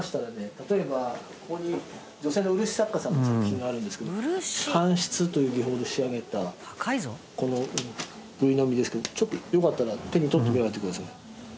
例えばここに女性の漆作家さんの作品があるんですけど乾漆という技法で仕上げたこのぐい呑ですけどちょっとよかったら手に取ってご覧になってください。